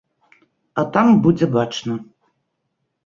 А там будзе бачна.